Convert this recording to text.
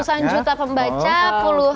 satusan juta pembaca puluhan